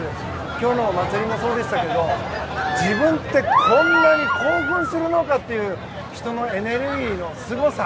今日のお祭りもそうでしたけど自分ってこんなに興奮するのかという人のエネルギーのすごさ。